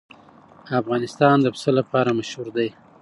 افغانستان د پسه لپاره مشهور دی.